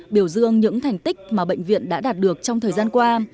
biểu dương những thành tích mà bệnh viện đã đạt được trong thời gian qua